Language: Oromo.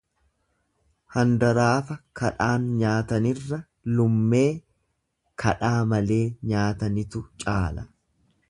Andaraafa kadhaan nyaatanirra lummee kadhaa malee nyaatanitu caala.